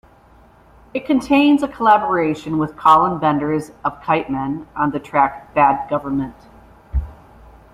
It contains a collaboration with Colin Benders of Kyteman on the track "Bad Government".